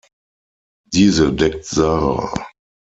Diese deckt Sara.